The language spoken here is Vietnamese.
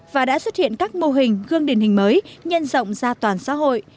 và đã xuất hiện các mô hình gương điển hình mới nhân rộng ra toàn xã hội